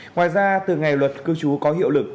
ngoài ra từ ngày luật cư trú có hiệu lực